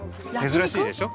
珍しいでしょう？